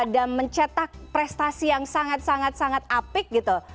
dan mencetak prestasi yang sangat sangat sangat apik gitu